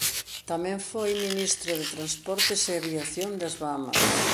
Tamén foi Ministro de Transportes e Aviación das Bahamas.